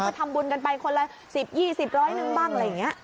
เขาทำบุญกันไปคนละสิบยี่สิบร้อยนึงบ้าง